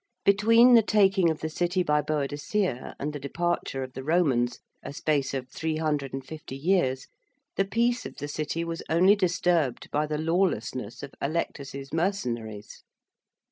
Between the taking of the City by Boadicea and the departure of the Romans, a space of three hundred and fifty years, the peace of the City was only disturbed by the lawlessness of Allectus's mercenaries.